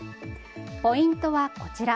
ポイントはこちら。